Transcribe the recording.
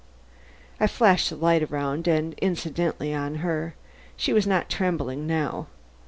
I flashed the light around and incidentally on her. She was not trembling now.